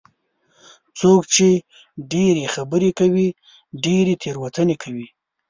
څوک چې ډېرې خبرې کوي، ډېرې تېروتنې کوي.